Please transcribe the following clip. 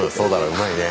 うまいね。